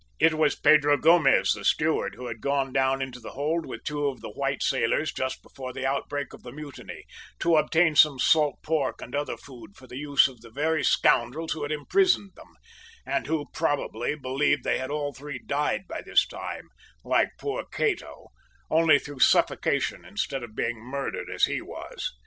"It was Pedro Gomez, the steward, who had gone down into the hold with two of the white sailors just before the outbreak of the mutiny to obtain some salt pork and other food for the use of the very scoundrels who had imprisoned them, and who, probably, believed they had all three died by this time, like poor Cato, only through suffocation, instead of being murdered as he was!